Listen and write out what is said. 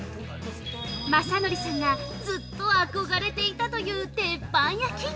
まさのりさんがずっと憧れていたという鉄板焼き。